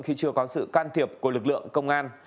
khi chưa có sự can thiệp của lực lượng công an